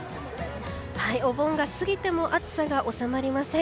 お盆が過ぎても暑さが収まりません。